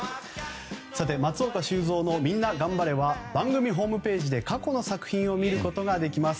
松岡修造のみんながん晴れは番組ホームページで過去の作品を見ることができます。